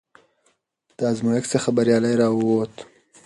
د ازمېښت څخه بریالی راووت،